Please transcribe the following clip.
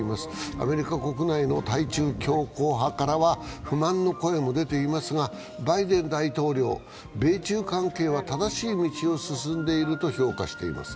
アメリカ国内の対中強硬派からは不満の声も出ていますが、バイデン大統領、米中関係は正しい道を進んでいると評価しています。